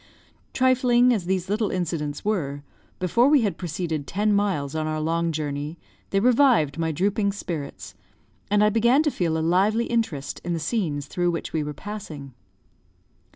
Trifling as these little incidents were, before we had proceeded ten miles on our long journey, they revived my drooping spirits, and I began to feel a lively interest in the scenes through which we were passing.